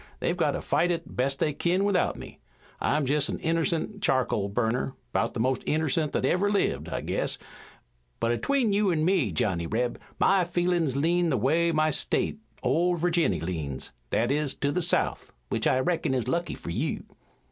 They've got to fight it as best they kin without me. I'm jest an innercent charcoal burner, 'bout the most innercent that ever lived, I guess, but atween you an' me, Johnny Reb, my feelin's lean the way my state, Old Virginny, leans, that is, to the South, which I reckon is lucky fur you."